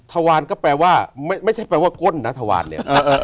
ทวานก็แปลว่าไม่ใช่แปลว่าก้นนะทวานเนี่ย